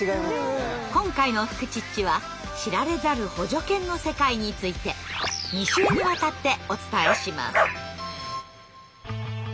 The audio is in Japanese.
今回の「フクチッチ」は知られざる補助犬の世界について２週にわたってお伝えします。